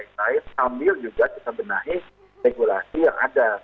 sambil juga kita benahi regulasi yang ada